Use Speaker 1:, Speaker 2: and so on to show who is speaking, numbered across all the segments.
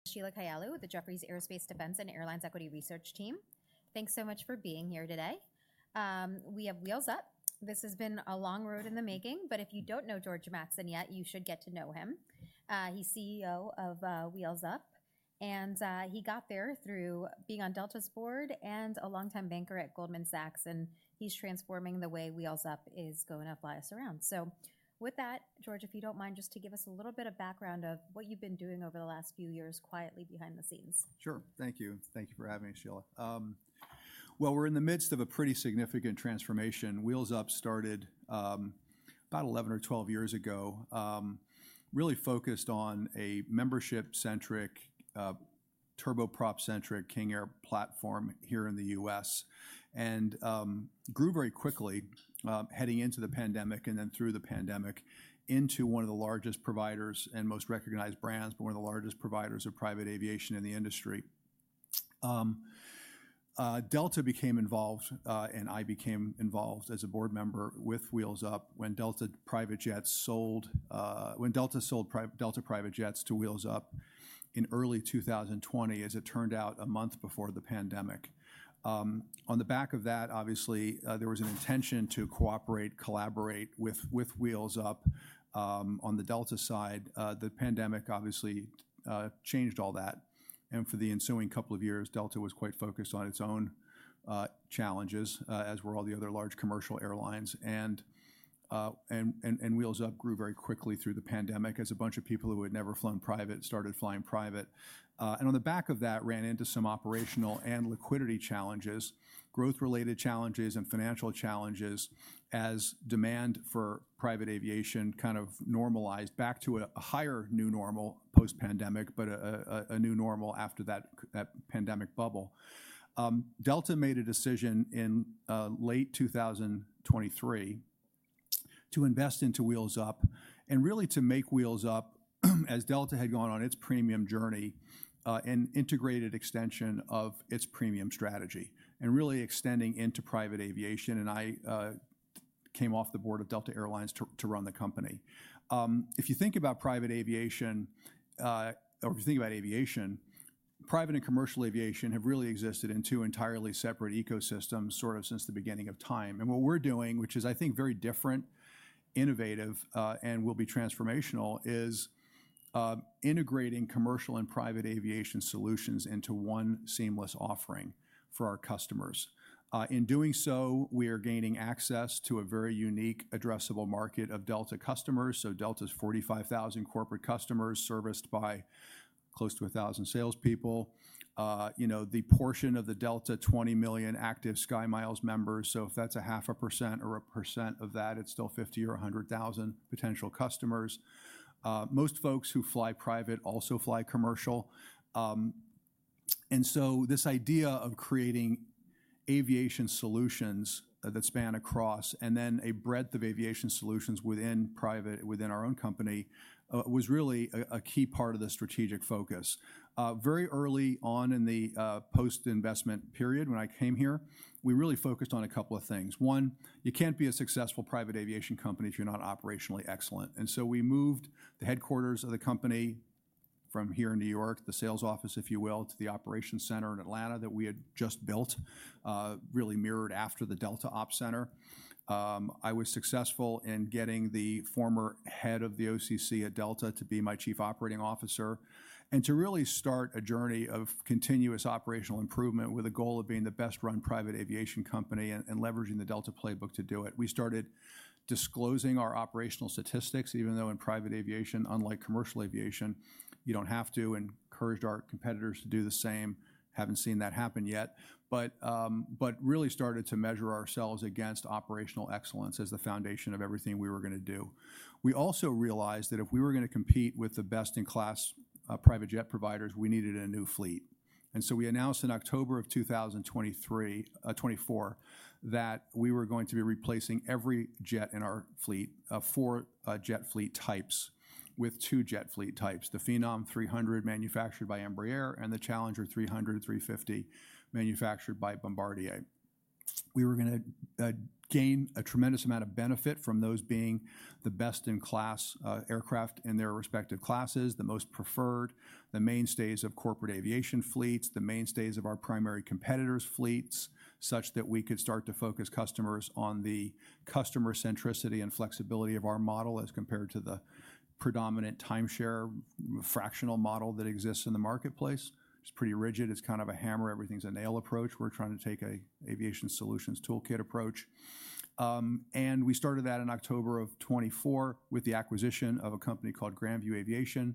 Speaker 1: ... Sheila Kahyaoglu with the Jefferies Aerospace Defense and Airlines Equity Research team. Thanks so much for being here today. We have Wheels Up. This has been a long road in the making, but if you don't know George Mattson yet, you should get to know him. He's CEO of Wheels Up, and he got there through being on Delta's board and a longtime banker at Goldman Sachs, and he's transforming the way Wheels Up is going to fly us around. So with that, George, if you don't mind, just to give us a little bit of background of what you've been doing over the last few years quietly behind the scenes.
Speaker 2: Sure. Thank you. Thank you for having me, Sheila. We're in the midst of a pretty significant transformation. Wheels Up started about 11 or 12 years ago, really focused on a membership-centric, turboprop-centric King Air platform here in the U.S., and grew very quickly, heading into the pandemic and then through the pandemic, into one of the largest providers and most recognized brands, but one of the largest providers of private aviation in the industry. Delta became involved, and I became involved as a board member with Wheels Up when Delta sold Delta Private Jets to Wheels Up in early 2020, as it turned out, a month before the pandemic. On the back of that, obviously, there was an intention to cooperate, collaborate with Wheels Up. On the Delta side, the pandemic obviously changed all that, and for the ensuing couple of years, Delta was quite focused on its own challenges, as were all the other large commercial airlines. Wheels Up grew very quickly through the pandemic as a bunch of people who had never flown private started flying private. And on the back of that, ran into some operational and liquidity challenges, growth-related challenges, and financial challenges as demand for private aviation kind of normalized back to a higher new normal post-pandemic, but a new normal after that pandemic bubble. Delta made a decision in late 2023 to invest into Wheels Up, and really to make Wheels Up, as Delta had gone on its premium journey, an integrated extension of its premium strategy and really extending into private aviation, and I came off the board of Delta Air Lines to run the company. If you think about private aviation, or if you think about aviation, private and commercial aviation have really existed in two entirely separate ecosystems, sort of since the beginning of time. What we're doing, which is, I think, very different, innovative, and will be transformational, is integrating commercial and private aviation solutions into one seamless offering for our customers. In doing so, we are gaining access to a very unique addressable market of Delta customers, so Delta's 45,000 corporate customers, serviced by close to 1,000 salespeople. You know, the portion of the Delta 20 million active SkyMiles members, so if that's 0.5% or 1% of that, it's still 50,000 or 100,000 potential customers. Most folks who fly private also fly commercial, and so this idea of creating aviation solutions that span across, and then a breadth of aviation solutions within private, within our own company, was really a key part of the strategic focus. Very early on in the post-investment period when I came here, we really focused on a couple of things. One, you can't be a successful private aviation company if you're not operationally excellent, and so we moved the headquarters of the company from here in New York, the sales office, if you will, to the operations center in Atlanta that we had just built, really mirrored after the Delta Ops center. I was successful in getting the former head of the OCC at Delta to be my chief operating officer and to really start a journey of continuous operational improvement with a goal of being the best-run private aviation company and, and leveraging the Delta playbook to do it. We started disclosing our operational statistics, even though in private aviation, unlike commercial aviation, you don't have to, and encouraged our competitors to do the same. Haven't seen that happen yet, but really started to measure ourselves against operational excellence as the foundation of everything we were going to do. We also realized that if we were going to compete with the best-in-class private jet providers, we needed a new fleet. And so we announced in October of 2023, 2024, that we were going to be replacing every jet in our fleet, four jet fleet types with two jet fleet types: the Phenom 300, manufactured by Embraer, and the Challenger 300, 350, manufactured by Bombardier. We were gonna gain a tremendous amount of benefit from those being the best-in-class aircraft in their respective classes, the most preferred, the mainstays of corporate aviation fleets, the mainstays of our primary competitors' fleets, such that we could start to focus customers on the customer centricity and flexibility of our model as compared to the predominant timeshare fractional model that exists in the marketplace. It's pretty rigid. It's kind of a hammer, everything's a nail approach. We're trying to take a aviation solutions toolkit approach. And we started that in October of 2024 with the acquisition of a company called GrandView Aviation,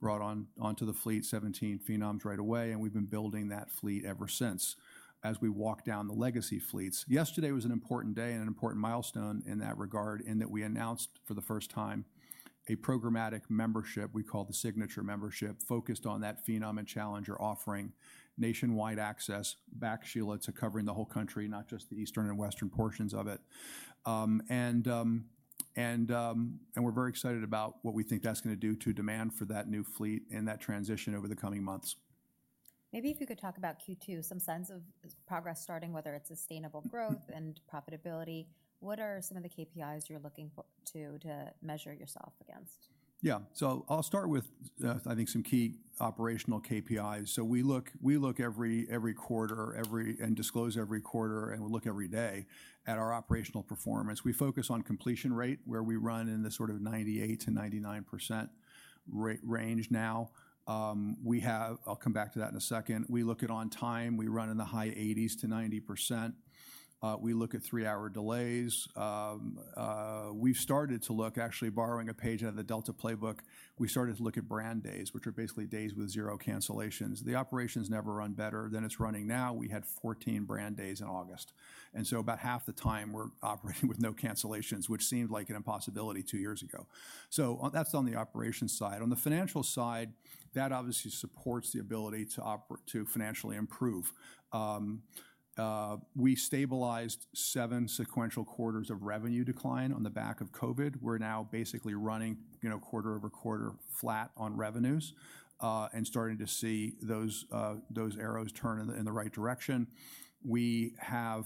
Speaker 2: brought on onto the fleet 17 Phenoms right away, and we've been building that fleet ever since as we walk down the legacy fleets. Yesterday was an important day and an important milestone in that regard, in that we announced for the first time a programmatic membership we call the Signature Membership, focused on that Phenom and Challenger, offering nationwide access, back, Sheila, to covering the whole country, not just the eastern and western portions of it. We're very excited about what we think that's going to do to demand for that new fleet and that transition over the coming months....
Speaker 1: Maybe if you could talk about Q2, some sense of progress starting, whether it's sustainable growth and profitability. What are some of the KPIs you're looking for to measure yourself against?
Speaker 2: Yeah. So I'll start with, I think some key operational KPIs. So we look every quarter and disclose every quarter, and we look every day at our operational performance. We focus on completion rate, where we run in the sort of 98%-99% range now. I'll come back to that in a second. We look at on time, we run in the high 80%-90%. We look at three-hour delays. We've started to look, actually borrowing a page out of the Delta playbook, at brand days, which are basically days with zero cancellations. The operation's never run better than it's running now. We had 14 brand days in August, and so about half the time we're operating with no cancellations, which seemed like an impossibility two years ago. That's on the operations side. On the financial side, that obviously supports the ability to financially improve. We stabilized seven sequential quarters of revenue decline on the back of COVID. We're now basically running, you know, quarter-over-quarter flat on revenues, and starting to see those arrows turn in the right direction. We have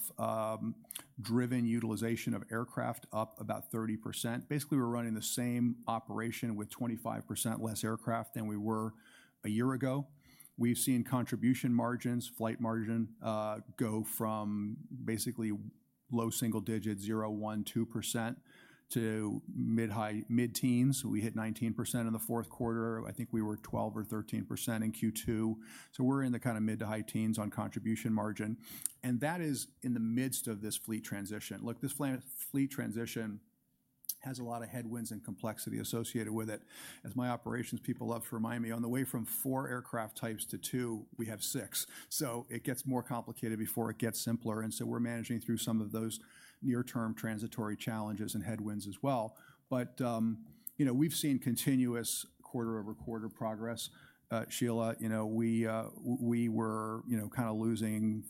Speaker 2: driven utilization of aircraft up about 30%. Basically, we're running the same operation with 25% less aircraft than we were a year ago. We've seen contribution margins, flight margin, go from basically low single digits, 0%, 1%, 2%, to mid-high, mid-teens. We hit 19% in the fourth quarter. I think we were 12% or 13% in Q2. So we're in the kind of mid to high teens on contribution margin, and that is in the midst of this fleet transition. Look, this fleet transition has a lot of headwinds and complexity associated with it. As my operations people love to remind me, on the way from four aircraft types to two, we have six. So it gets more complicated before it gets simpler, and so we're managing through some of those near-term transitory challenges and headwinds as well. But, you know, we've seen continuous quarter-over-quarter progress. Sheila, you know, we were, you know, kind of losing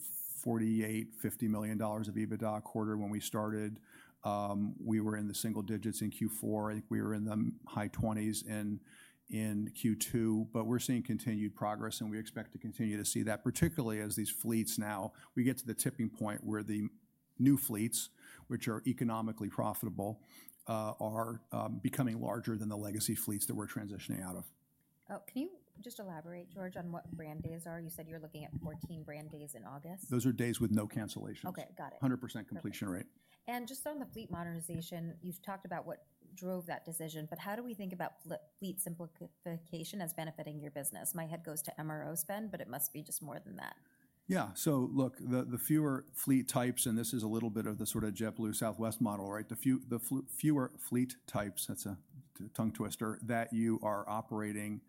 Speaker 2: $48-$50 million of EBITDA quarter when we started. We were in the single digits in Q4. I think we were in the high twenties in Q2. But we're seeing continued progress, and we expect to continue to see that, particularly as these fleets now... We get to the tipping point where the new fleets, which are economically profitable, are becoming larger than the legacy fleets that we're transitioning out of.
Speaker 1: Can you just elaborate, George, on what brand days are? You said you're looking at 14 brand days in August.
Speaker 2: Those are days with no cancellations.
Speaker 1: Okay, got it.
Speaker 2: 100% completion rate.
Speaker 1: Just on the fleet modernization, you've talked about what drove that decision, but how do we think about fleet simplification as benefiting your business? My head goes to MRO spend, but it must be just more than that.
Speaker 2: Yeah, so look, the fewer fleet types, and this is a little bit of the sort of JetBlue, Southwest model, right? The fewer fleet types, that's a tongue twister, that you are operating,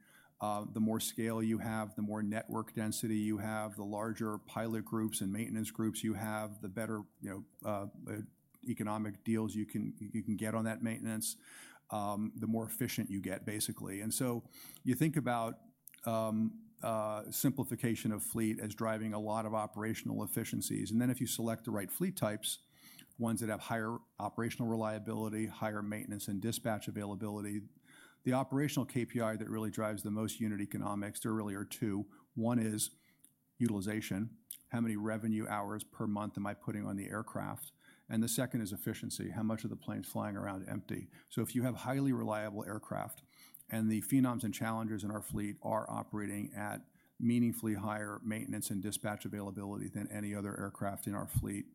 Speaker 2: the more scale you have, the more network density you have, the larger pilot groups and maintenance groups you have, the better, you know, economic deals you can, you can get on that maintenance, the more efficient you get, basically, and so you think about simplification of fleet as driving a lot of operational efficiencies, and then if you select the right fleet types, ones that have higher operational reliability, higher maintenance and dispatch availability, the operational KPI that really drives the most unit economics, there really are two. One is utilization, how many revenue hours per month am I putting on the aircraft? The second is efficiency, how much of the plane's flying around empty? If you have highly reliable aircraft, and the Phenoms and Challengers in our fleet are operating at meaningfully higher maintenance and dispatch availability than any other aircraft in our fleet,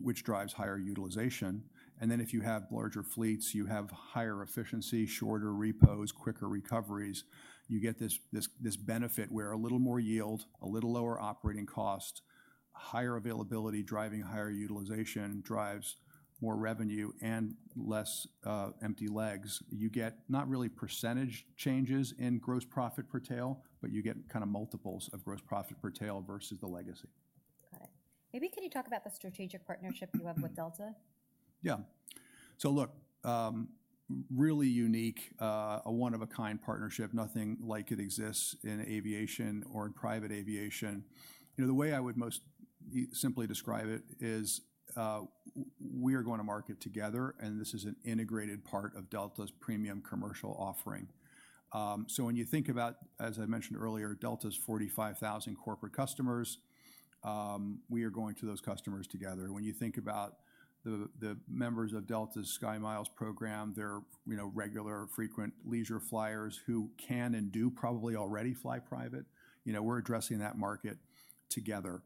Speaker 2: which drives higher utilization. Then if you have larger fleets, you have higher efficiency, shorter repos, quicker recoveries. You get this benefit where a little more yield, a little lower operating cost, higher availability, driving higher utilization, drives more revenue and less empty legs. You get not really percentage changes in gross profit per tail, but you get kind of multiples of gross profit per tail versus the legacy.
Speaker 1: Got it. Maybe can you talk about the strategic partnership you have with Delta?
Speaker 2: Yeah. So look, really unique, a one-of-a-kind partnership. Nothing like it exists in aviation or in private aviation. You know, the way I would most simply describe it is, we are going to market together, and this is an integrated part of Delta's premium commercial offering. So when you think about, as I mentioned earlier, Delta's 45,000 corporate customers, we are going to those customers together. When you think about the members of Delta's SkyMiles program, they're, you know, regular or frequent leisure flyers who can and do probably already fly private, you know, we're addressing that market together.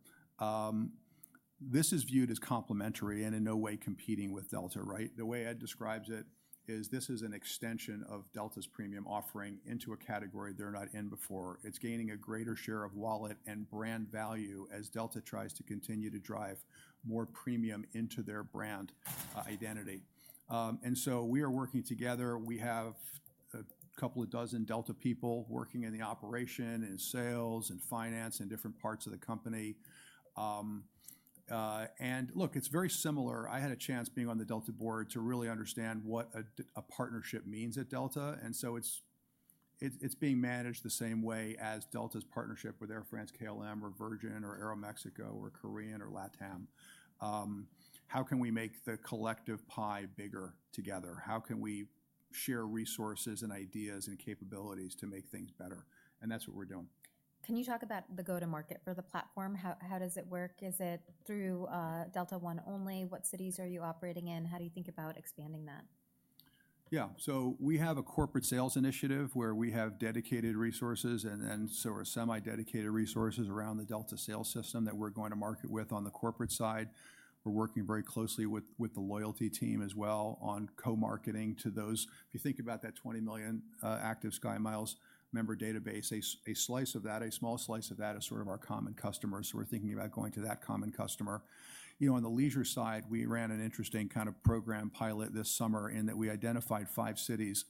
Speaker 2: This is viewed as complementary and in no way competing with Delta, right? The way Ed describes it is this is an extension of Delta's premium offering into a category they're not in before. It's gaining a greater share of wallet and brand value as Delta tries to continue to drive more premium into their brand identity, and so we are working together. We have a couple of dozen Delta people working in the operation, in sales, in finance, in different parts of the company, and look, it's very similar. I had a chance, being on the Delta board, to really understand what a partnership means at Delta, and so it's being managed the same way as Delta's partnership with Air France, KLM, or Virgin, or Aeroméxico, or Korean, or LATAM. How can we make the collective pie bigger together? How can we share resources and ideas and capabilities to make things better, and that's what we're doing.
Speaker 1: Can you talk about the go-to-market for the platform? How does it work? Is it through Delta One only? What cities are you operating in? How do you think about expanding that?
Speaker 2: Yeah. So we have a corporate sales initiative where we have dedicated resources and so our semi-dedicated resources around the Delta sales system that we're going to market with on the corporate side. We're working very closely with the loyalty team as well on co-marketing to those. If you think about that 20 million active SkyMiles member database, a slice of that, a small slice of that is sort of our common customers, so we're thinking about going to that common customer. You know, on the leisure side, we ran an interesting kind of program pilot this summer in that we identified five cities,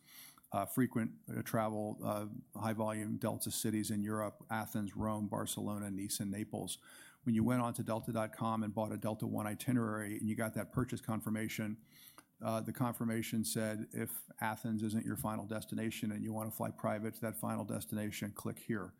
Speaker 2: frequent travel, high-volume Delta cities in Europe: Athens, Rome, Barcelona, Nice, and Naples. When you went onto Delta.com and bought a Delta One itinerary, and you got that purchase confirmation, the confirmation said, "If Athens isn't your final destination and you want to fly private to that final destination, click here."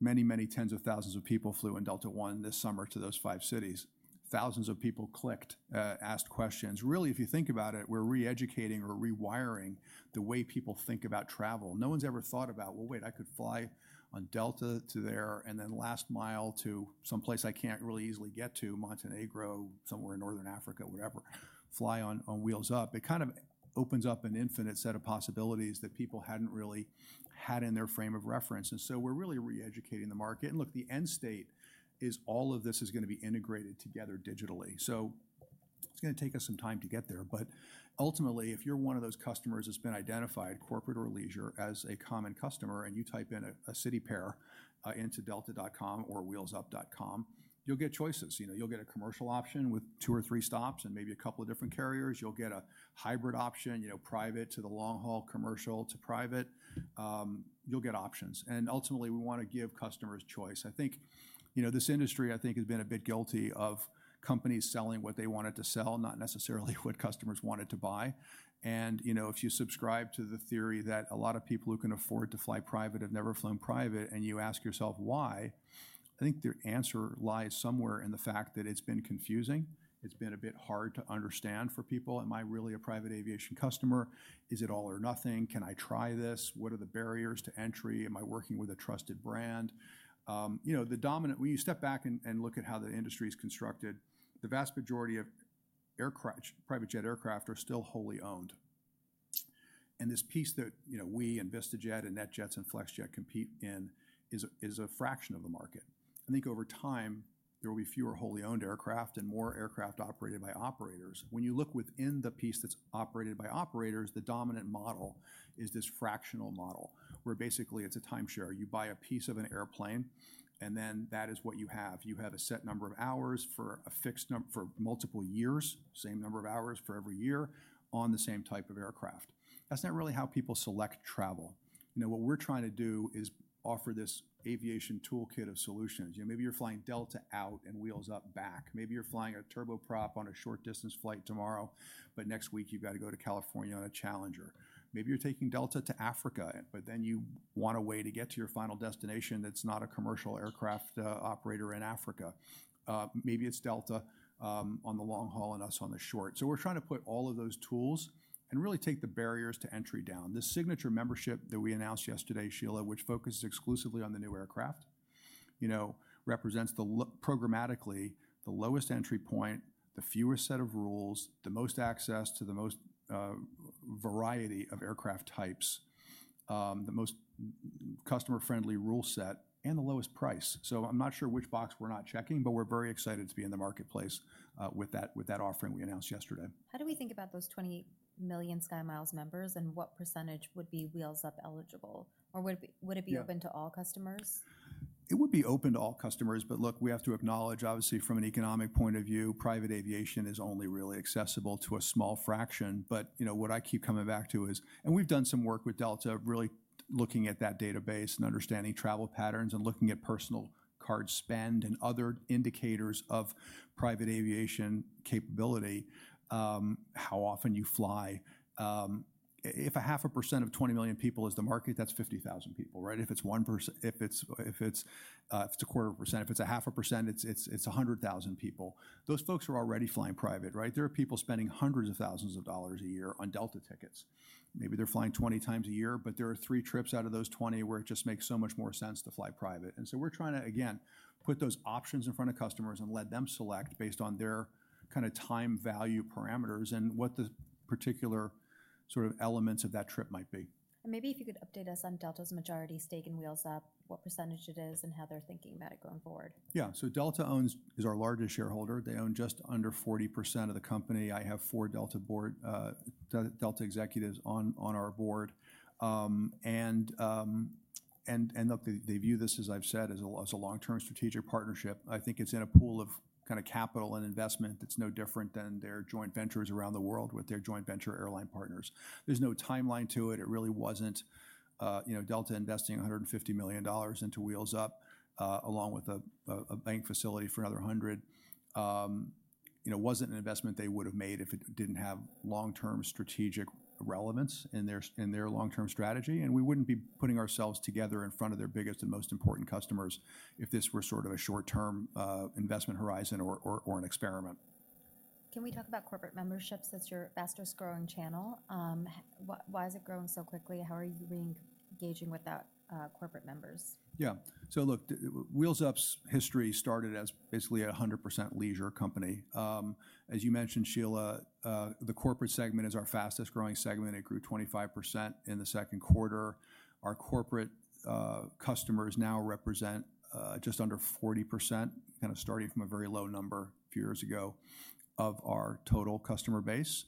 Speaker 2: Many, many tens of thousands of people flew in Delta One this summer to those five cities. Thousands of people clicked, asked questions. Really, if you think about it, we're re-educating or rewiring the way people think about travel. No one's ever thought about, "Well, wait, I could fly on Delta to there, and then last mile to some place I can't really easily get to, Montenegro, somewhere in Northern Africa, wherever, fly on Wheels Up." It kind of opens up an infinite set of possibilities that people hadn't really had in their frame of reference, and so we're really re-educating the market. Look, the end state is all of this is gonna be integrated together digitally. It's gonna take us some time to get there, but ultimately, if you're one of those customers that's been identified, corporate or leisure, as a common customer, and you type in a city pair into Delta.com or Wheelsup.com, you'll get choices. You know, you'll get a commercial option with two or three stops and maybe a couple of different carriers. You'll get a hybrid option, you know, private to the long-haul, commercial to private. You'll get options, and ultimately, we want to give customers choice. I think, you know, this industry, I think, has been a bit guilty of companies selling what they wanted to sell, not necessarily what customers wanted to buy. And, you know, if you subscribe to the theory that a lot of people who can afford to fly private have never flown private, and you ask yourself why, I think the answer lies somewhere in the fact that it's been confusing. It's been a bit hard to understand for people. Am I really a private aviation customer? Is it all or nothing? Can I try this? What are the barriers to entry? Am I working with a trusted brand? You know, when you step back and look at how the industry is constructed, the vast majority of aircraft, private jet aircraft, are still wholly owned. And this piece that, you know, we and VistaJet and NetJets and Flexjet compete in is a fraction of the market. I think over time, there will be fewer wholly owned aircraft and more aircraft operated by operators. When you look within the piece that's operated by operators, the dominant model is this fractional model, where basically it's a timeshare. You buy a piece of an airplane, and then that is what you have. You have a set number of hours for multiple years, same number of hours for every year, on the same type of aircraft. That's not really how people select travel. You know, what we're trying to do is offer this aviation toolkit of solutions. You know, maybe you're flying Delta out and Wheels Up back. Maybe you're flying a turboprop on a short-distance flight tomorrow, but next week you've got to go to California on a Challenger. Maybe you're taking Delta to Africa, but then you want a way to get to your final destination that's not a commercial aircraft operator in Africa. Maybe it's Delta on the long haul and us on the short. So we're trying to put all of those tools and really take the barriers to entry down. This Signature Membership that we announced yesterday, Sheila, which focuses exclusively on the new aircraft, you know, represents programmatically the lowest entry point, the fewest set of rules, the most access to the most variety of aircraft types, the most customer-friendly rule set, and the lowest price. So I'm not sure which box we're not checking, but we're very excited to be in the marketplace with that, with that offering we announced yesterday.
Speaker 1: How do we think about those 20 million SkyMiles members, and what percentage would be Wheels Up eligible? Or would it be-
Speaker 2: Yeah...
Speaker 1: would it be open to all customers?
Speaker 2: It would be open to all customers, but look, we have to acknowledge, obviously, from an economic point of view, private aviation is only really accessible to a small fraction. But, you know, what I keep coming back to is, and we've done some work with Delta, really looking at that database and understanding travel patterns and looking at personal card spend and other indicators of private aviation capability, how often you fly. If 0.5% of 20 million people is the market, that's 50,000 people, right? If it's 0.25%, if it's 0.5%, it's 100,000 people. Those folks are already flying private, right? There are people spending hundreds of thousands of dollars a year on Delta tickets. Maybe they're flying 20 times a year, but there are three trips out of those 20 where it just makes so much more sense to fly private. And so we're trying to, again, put those options in front of customers and let them select based on their kind of time value parameters and what the particular sort of elements of that trip might be.
Speaker 1: Maybe if you could update us on Delta's majority stake in Wheels Up, what percentage it is, and how they're thinking about it going forward?
Speaker 2: Yeah. So Delta owns... is our largest shareholder. They own just under 40% of the company. I have four Delta executives on our board. And look, they view this, as I've said, as a long-term strategic partnership. I think it's in a pool of kind of capital and investment that's no different than their joint ventures around the world with their joint venture airline partners. There's no timeline to it. It really wasn't... You know, Delta investing $150 million into Wheels Up, along with a bank facility for another $100 million, you know, wasn't an investment they would've made if it didn't have long-term strategic relevance in their long-term strategy, and we wouldn't be putting ourselves together in front of their biggest and most important customers if this were sort of a short-term investment horizon or an experiment....
Speaker 1: Can we talk about corporate memberships as your fastest growing channel? Why is it growing so quickly? How are you engaging with that corporate members?
Speaker 2: Yeah. So look, Wheels Up's history started as basically a 100% leisure company. As you mentioned, Sheila, the corporate segment is our fastest growing segment. It grew 25% in the second quarter. Our corporate customers now represent just under 40%, kind of starting from a very low number a few years ago, of our total customer base.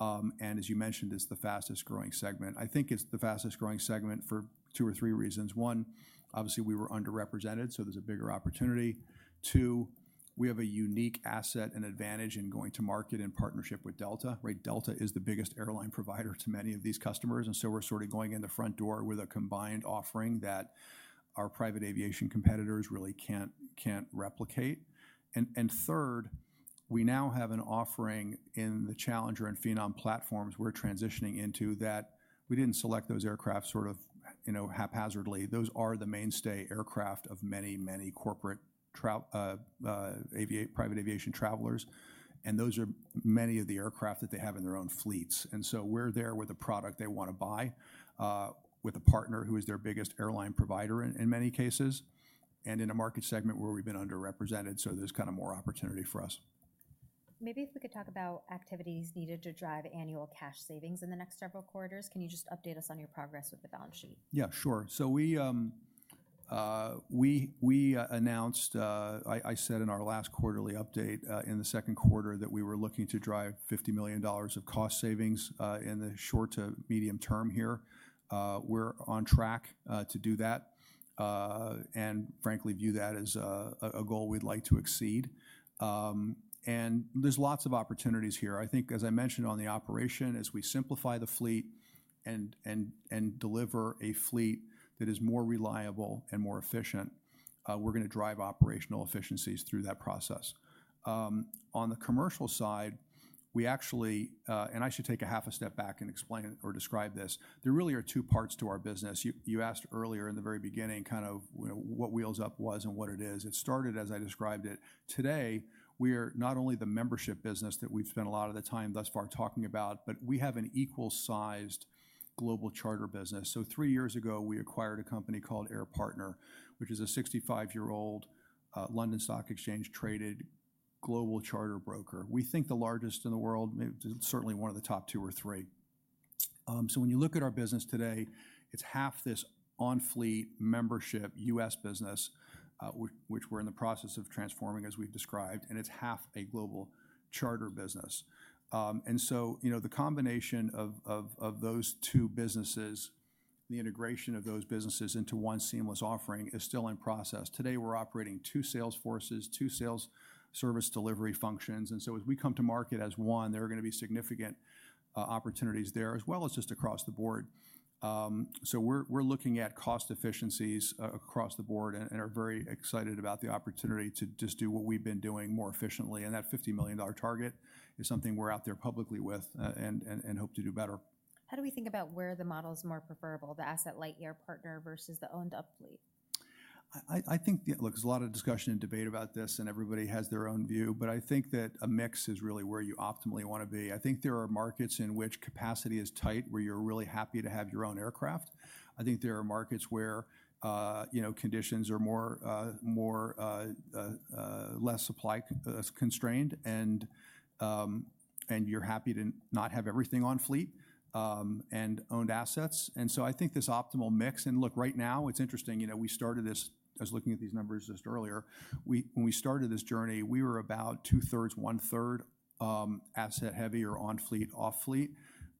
Speaker 2: And as you mentioned, it's the fastest growing segment. I think it's the fastest growing segment for two or three reasons. One, obviously, we were underrepresented, so there's a bigger opportunity. Two, we have a unique asset and advantage in going to market in partnership with Delta, right? Delta is the biggest airline provider to many of these customers, and so we're sort of going in the front door with a combined offering that our private aviation competitors really can't replicate. Third, we now have an offering in the Challenger and Phenom platforms we're transitioning into, that we didn't select those aircraft sort of, you know, haphazardly. Those are the mainstay aircraft of many, many corporate travel private aviation travelers, and those are many of the aircraft that they have in their own fleets. So we're there with a product they want to buy, with a partner who is their biggest airline provider in many cases, and in a market segment where we've been underrepresented, so there's kind of more opportunity for us.
Speaker 1: Maybe if we could talk about activities needed to drive annual cash savings in the next several quarters. Can you just update us on your progress with the balance sheet?
Speaker 2: Yeah, sure, so we announced. I said in our last quarterly update, in the second quarter, that we were looking to drive $50 million of cost savings, in the short to medium term here. We're on track to do that, and frankly, view that as a goal we'd like to exceed, and there's lots of opportunities here. I think, as I mentioned on the operation, as we simplify the fleet and deliver a fleet that is more reliable and more efficient, we're gonna drive operational efficiencies through that process. On the commercial side, we actually, and I should take a half a step back and explain or describe this. There really are two parts to our business. You asked earlier in the very beginning, kind of, you know, what Wheels Up was and what it is. It started as I described it. Today, we are not only the membership business that we've spent a lot of the time thus far talking about, but we have an equal-sized global charter business. So three years ago, we acquired a company called Air Partner, which is a 65-year-old London Stock Exchange-traded global charter broker. We think the largest in the world, maybe. Certainly one of the top two or three. So when you look at our business today, it's half this on-fleet membership US business, which we're in the process of transforming, as we've described, and it's half a global charter business. And so, you know, the combination of those two businesses, the integration of those businesses into one seamless offering, is still in process. Today, we're operating two sales forces, two sales service delivery functions, and so as we come to market as one, there are gonna be significant opportunities there, as well as just across the board. So we're looking at cost efficiencies across the board and are very excited about the opportunity to just do what we've been doing more efficiently. And that $50 million target is something we're out there publicly with and hope to do better.
Speaker 1: How do we think about where the model is more preferable, the asset-light Air Partner versus the owned up fleet?
Speaker 2: I think, yeah, look, there's a lot of discussion and debate about this, and everybody has their own view, but I think that a mix is really where you optimally want to be. I think there are markets in which capacity is tight, where you're really happy to have your own aircraft. I think there are markets where, you know, conditions are more less supply constrained, and you're happy to not have everything on fleet, and owned assets, and so I think this optimal mix, and look, right now, it's interesting, you know, we started this, I was looking at these numbers just earlier. When we started this journey, we were about two-thirds, one-third, asset-heavy or on-fleet, off-fleet.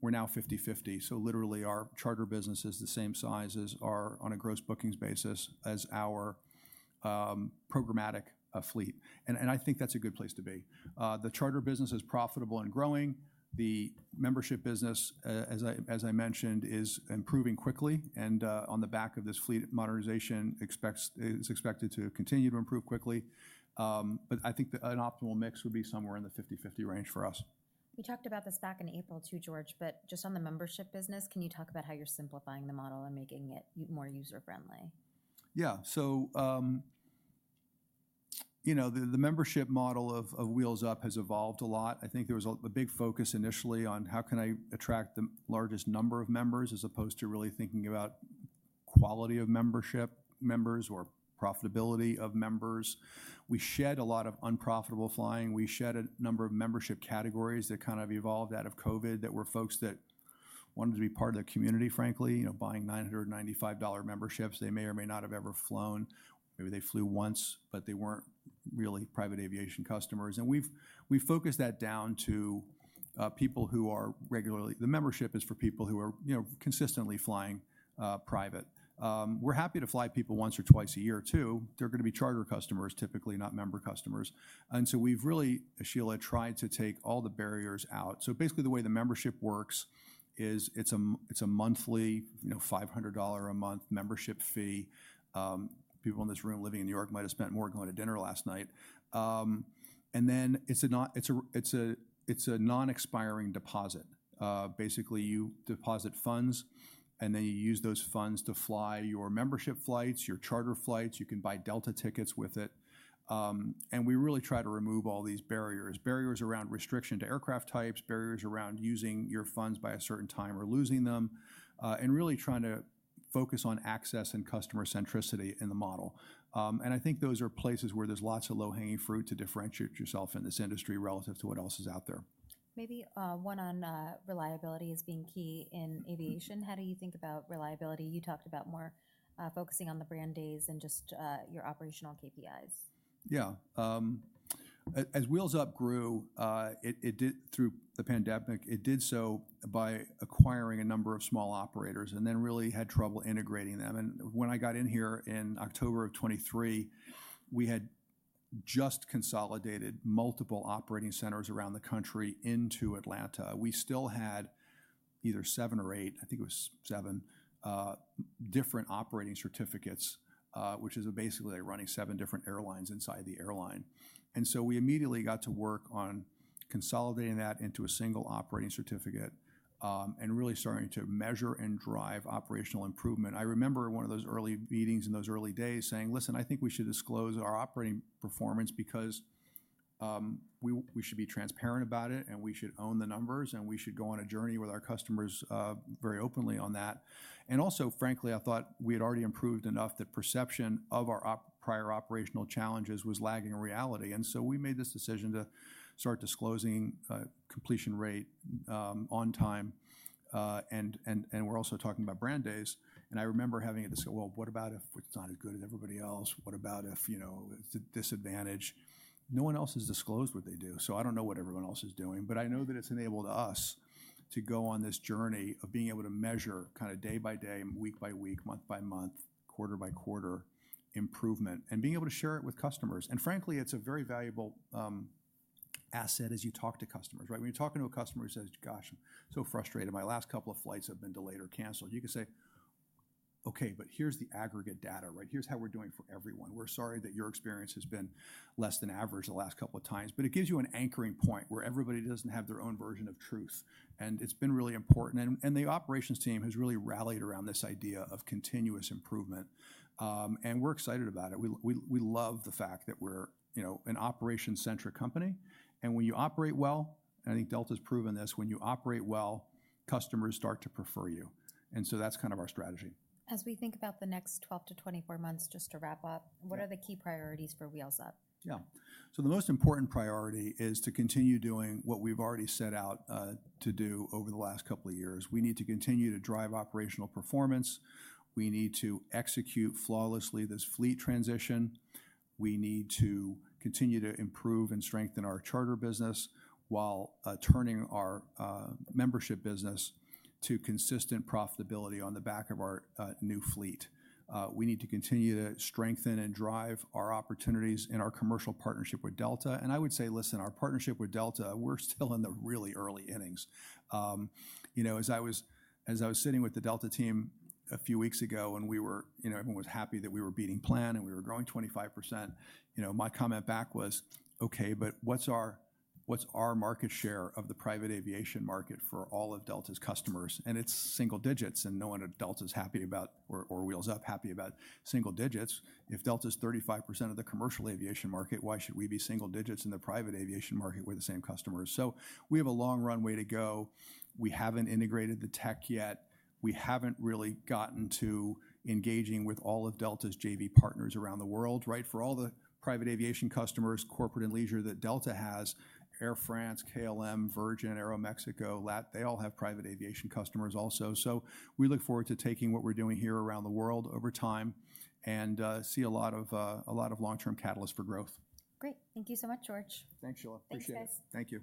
Speaker 2: We're now 50/50, so literally, our charter business is the same size as our, on a gross bookings basis, programmatic fleet. And I think that's a good place to be. The charter business is profitable and growing. The membership business, as I mentioned, is improving quickly, and on the back of this fleet modernization, it is expected to continue to improve quickly. But I think an optimal mix would be somewhere in the 50/50 range for us.
Speaker 1: We talked about this back in April, too, George, but just on the membership business, can you talk about how you're simplifying the model and making it more user-friendly?
Speaker 2: Yeah. So, you know, the membership model of Wheels Up has evolved a lot. I think there was a big focus initially on, "How can I attract the largest number of members?" as opposed to really thinking about quality of membership, members, or profitability of members. We shed a lot of unprofitable flying. We shed a number of membership categories that kind of evolved out of COVID, that were folks that wanted to be part of the community, frankly, you know, buying $995 memberships. They may or may not have ever flown. Maybe they flew once, but they weren't really private aviation customers. And we've focused that down to people who are regularly. The membership is for people who are, you know, consistently flying private. We're happy to fly people once or twice a year, too. They're gonna be charter customers, typically, not member customers. And so we've really, Sheila, tried to take all the barriers out. So basically, the way the membership works is it's a monthly, you know, $500 a month membership fee. People in this room living in New York might have spent more going to dinner last night. And then it's a non-expiring deposit. Basically, you deposit funds, and then you use those funds to fly your membership flights, your charter flights. You can buy Delta tickets with it. And we really try to remove all these barriers: barriers around restriction to aircraft types, barriers around using your funds by a certain time or losing them, and really trying to focus on access and customer centricity in the model. And I think those are places where there's lots of low-hanging fruit to differentiate yourself in this industry relative to what else is out there.
Speaker 1: Maybe, one on, reliability as being key in aviation. How do you think about reliability? You talked about more, focusing on the brand days than just, your operational KPIs.
Speaker 2: Yeah. As Wheels Up grew, it did so through the pandemic by acquiring a number of small operators, and then really had trouble integrating them. When I got in here in October of 2023, we had just consolidated multiple operating centers around the country into Atlanta. We still had either seven or eight, I think it was seven, different operating certificates, which is basically running seven different airlines inside the airline. So we immediately got to work on consolidating that into a single operating certificate, and really starting to measure and drive operational improvement. I remember one of those early meetings in those early days saying: "Listen, I think we should disclose our operating performance because, we should be transparent about it, and we should own the numbers, and we should go on a journey with our customers, very openly on that." And also, frankly, I thought we had already improved enough that perception of our prior operational challenges was lagging in reality. And so we made this decision to start disclosing, completion rate, on time, and we're also talking about brand days. And I remember having to discuss: Well, what about if it's not as good as everybody else? What about if, you know, it's a disadvantage? No one else has disclosed what they do, so I don't know what everyone else is doing. But I know that it's enabled us to go on this journey of being able to measure kind of day-by-day, week-by-week, month-by-month, quarter-by-quarter improvement, and being able to share it with customers. And frankly, it's a very valuable asset as you talk to customers, right? When you're talking to a customer who says, "Gosh, I'm so frustrated. My last couple of flights have been delayed or canceled," you can say, "Okay, but here's the aggregate data," right? "Here's how we're doing for everyone. We're sorry that your experience has been less than average the last couple of times." But it gives you an anchoring point where everybody doesn't have their own version of truth, and it's been really important. And the operations team has really rallied around this idea of continuous improvement. And we're excited about it. We love the fact that we're, you know, an operation-centric company, and when you operate well, and I think Delta's proven this, when you operate well, customers start to prefer you. And so that's kind of our strategy.
Speaker 1: As we think about the next 12-24 months, just to wrap up.
Speaker 2: Yeah.
Speaker 1: What are the key priorities for Wheels Up?
Speaker 2: Yeah. So the most important priority is to continue doing what we've already set out to do over the last couple of years. We need to continue to drive operational performance. We need to execute flawlessly this fleet transition. We need to continue to improve and strengthen our charter business while turning our membership business to consistent profitability on the back of our new fleet. We need to continue to strengthen and drive our opportunities in our commercial partnership with Delta. And I would say, listen, our partnership with Delta, we're still in the really early innings. You know, as I was sitting with the Delta team a few weeks ago, and we were you know, everyone was happy that we were beating plan, and we were growing 25%, you know, my comment back was, "Okay, but what's our market share of the private aviation market for all of Delta's customers?" It's single digits, and no one at Delta's happy about, or Wheels Up, happy about single digits. If Delta's 35% of the commercial aviation market, why should we be single digits in the private aviation market with the same customers? So we have a long runway to go. We haven't integrated the tech yet. We haven't really gotten to engaging with all of Delta's JV partners around the world, right? For all the private aviation customers, corporate and leisure, that Delta has, Air France, KLM, Virgin, Aeroméxico, LAT, they all have private aviation customers also. So we look forward to taking what we're doing here around the world over time and see a lot of long-term catalysts for growth.
Speaker 1: Great. Thank you so much, George.
Speaker 2: Thanks, Sheila.
Speaker 1: Thanks, guys.
Speaker 2: Appreciate it. Thank you.